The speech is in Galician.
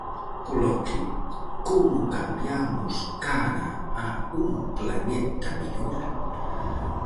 Coloquio: "Como cambiamos cara a un planeta mellor?"